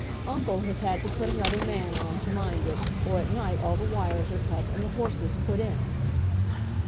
Uncle has had to put another man on to mind it, or at night all the wires are cut and the horses put in.